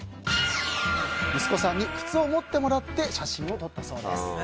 息子さんに靴を持ってもらって写真を撮ったそうです。